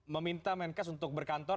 meminta menkes untuk berkantor